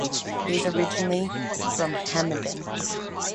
He is originally from Hamadan.